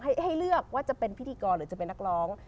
ให้เลือกว่าจะเป็นพิธีกรหรือจะเป็นนักร้อง